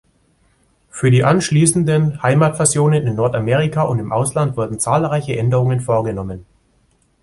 Für die anschließenden Heimatversionen in Nordamerika und im Ausland wurden zahlreiche Änderungen vorgenommen.